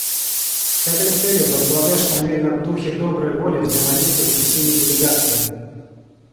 С этой целью Бангладеш намерена в духе доброй воли взаимодействовать со всеми делегациями.